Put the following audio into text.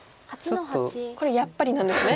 これ「やっぱり」なんですね？